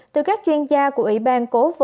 từ các chuyên gia của ủy ban cố vấn văn hóa